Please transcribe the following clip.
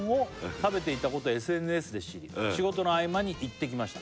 「食べていたことをＳＮＳで知り」「仕事の合間に行ってきました」